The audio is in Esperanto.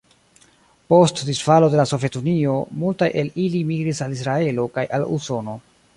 Post disfalo de la Sovetunio, multaj el ili migris al Israelo kaj al Usono.